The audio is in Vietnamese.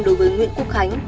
đối với nguyễn quốc khánh